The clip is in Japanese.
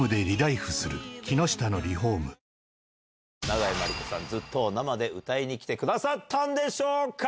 永井真理子さん、ＺＵＴＴＯを生で歌いに来てくださったんでしょうか。